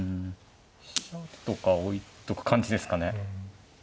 飛車とか置いとく感じですかね。